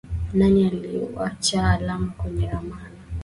Nani aliwacha alama kwenye ramani.